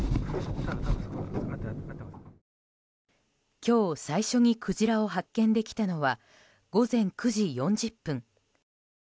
今日、最初にクジラを発見できたのは午前９時４０分。